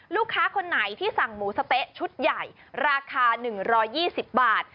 ลูกค้าคนไหนที่สั่งหมูสะเต๊ะชุดใหญ่ราคา๑๒๐บาท